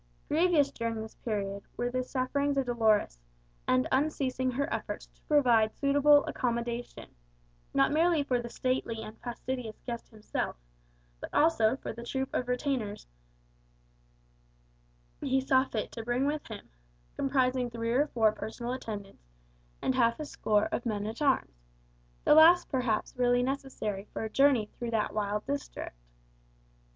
Grievous, during this period, were the sufferings of Dolores, and unceasing her efforts to provide suitable accommodation, not merely for the stately and fastidious guest himself, but also for the troop of retainers he saw fit to bring with him, comprising three or four personal attendants, and half a score of men at arms the last perhaps really necessary for a journey through that wild district.